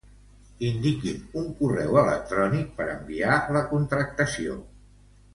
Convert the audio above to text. Indiqui'm un correu electrònic per enviar la contractació.